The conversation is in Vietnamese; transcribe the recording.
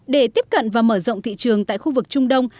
để tiếp cận và mở rộng thị trường tại khu vực trung đông